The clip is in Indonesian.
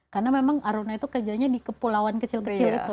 karena memang aruna itu kerjanya di kepulauan kecil kecil itu